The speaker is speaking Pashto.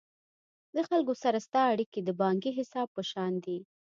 د خلکو سره ستا اړیکي د بانکي حساب په شان دي.